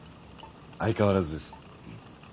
相変わらずです。